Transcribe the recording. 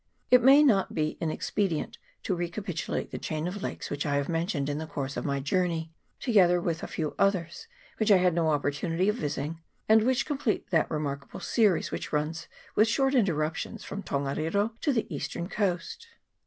It may not be inexpedient to recapitulate the chain of lakes which I have mentioned in the course of my journey, together with a few others which I had no opportunity of visiting, and which complete that remarkable series which runs with short interruptions from Tongariro to the eastern coast.